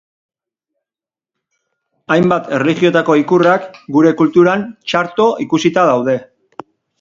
Hainbat erlijiotako ikurrak gure kulturan txarto ikusita daude.